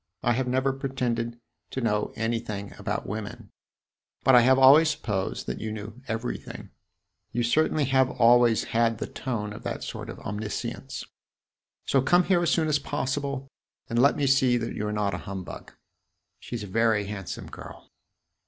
I have never pretended to know anything about women, but I have always supposed that you knew everything. You certainly have always had the tone of that sort of omniscience. So come here as soon as possible and let me see that you are not a humbug. She 's a very handsome girl."